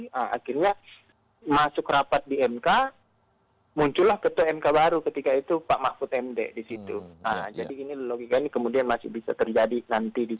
jadi akhirnya masuk rapat di mk muncullah ketua mk baru ketika itu pak mahfud md di situ jadi ini logikanya kemudian masih bisa terjadi nanti di dpr